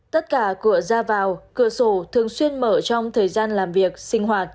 tất cả cửa ra vào cửa sổ thường xuyên mở trong thời gian làm việc sinh hoạt